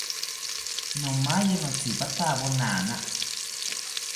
Nomaye notzipatawo nana